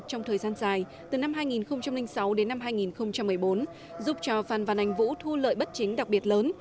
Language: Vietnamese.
trong thời gian dài từ năm hai nghìn sáu đến năm hai nghìn một mươi bốn giúp cho phan văn anh vũ thu lợi bất chính đặc biệt lớn